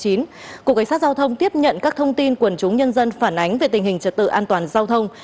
cục cảnh sát giao thông tiếp nhận các thông tin quần chúng nhân dân phản ánh về tình hình trật tự an toàn giao thông